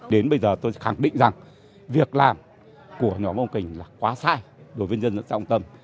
đến bây giờ tôi khẳng định rằng việc làm của nhóm ông kỳnh là quá sai đối với nhân dân xã đồng tâm